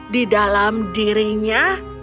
di dalam dirinya